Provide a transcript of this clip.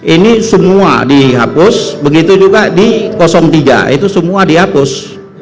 ini semua dihapus begitu juga di tiga itu semua dihapus